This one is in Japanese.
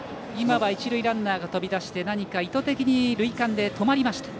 一塁ランナーが飛び出して意図的に塁間で止まりました。